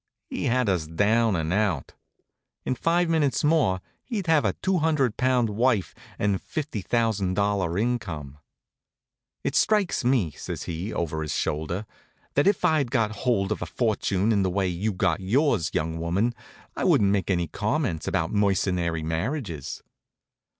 He had us down and out. In five minutes more he'd have a two hundred pound wife and a fifty thousand dollar income. "It strikes me," says he, over his shoulder, "that if I had got hold of a fortune in the way you got yours, young woman, I wouldn't make any comments about mercenary marriages."